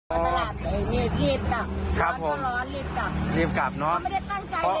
เอ้ามาดูกระเบียนเนี้ยเอาแล้วทำไมคุณเจมส์มันขายได้อะเปล่า